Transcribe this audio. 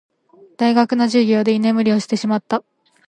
大学の授業で居眠りをしてしまった。